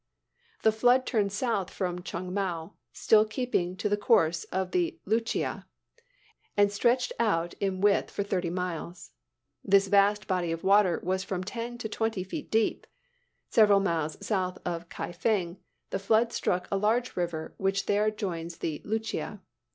"The flood turned south from Chungmou, still keeping to the course of the Luchia, and stretched out in width for thirty miles. This vast body of water was from ten to twenty feet deep. Several miles south of Kaifeng the flood struck a large river which there joins the Luchia.